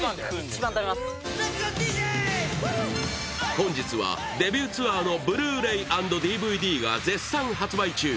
本日はデビューツアーのブルーレイ＆ＤＶＤが絶賛発売中